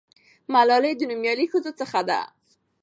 ملالۍ د نومیالۍ ښځو څخه ده.